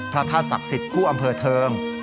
พระธาตุศักดิ์สิทธิ์คู่อำเภอเทิง